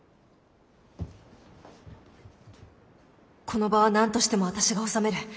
この場は何としても私が収める。